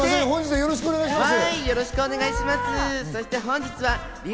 よろしくお願いします。